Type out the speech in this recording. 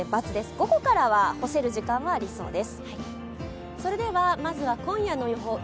午後からは干せる時間はありそうです。